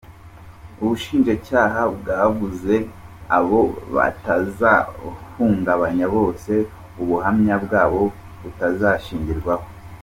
Ubushinjacyaha bwavuze abo batangabuhamya bose ubuhamya bwabo butashingirwaho.